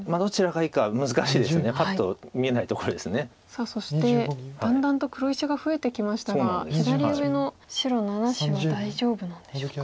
さあそしてだんだんと黒石が増えてきましたが左上の白７子は大丈夫なんでしょうか。